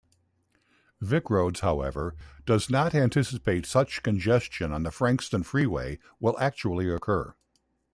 Vicroads however does not anticipate such congestion on the Frankston Freeway will actually occur.